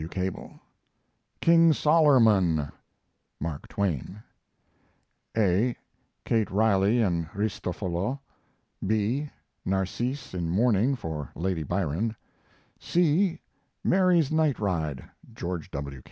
W. CABLE King Sollermun MARK TWAIN (a) Kate Riley and Ristofolo (b) Narcisse in mourning for "Lady Byron" (c) Mary's Night Ride GEO. W.